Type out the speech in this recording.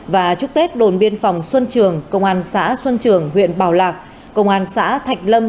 và chúc tết đồn biên phòng xuân trường công an xã xuân trường huyện bảo lạc công an xã thạch lâm